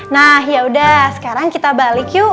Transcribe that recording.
nah yaudah sekarang kita balik yuk